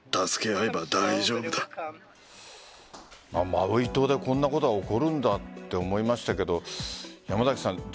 マウイ島でこんなことが起こるんだと思いましたけど山崎さん